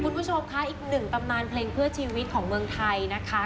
คุณผู้ชมค่ะอีกหนึ่งตำนานเพลงเพื่อชีวิตของเมืองไทยนะคะ